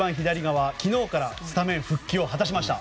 昨日からスタメン復帰を果たしました。